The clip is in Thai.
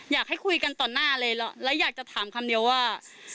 อยากให้คุยกันต่อหน้าเลยและอยากจะถามคำเดียวว่า